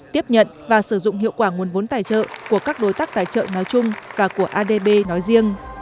tiếp nhận và sử dụng hiệu quả nguồn vốn tài trợ của các đối tác tài trợ nói chung và của adb nói riêng